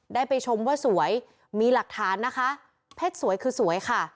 ได้ไปชมว่าสวยมีหลักฐานนะคะเพชรสวยคือสวยค่ะ